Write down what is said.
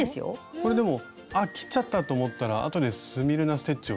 これでもあっ切っちゃったと思ったらあとでスミルナ・ステッチを足したり。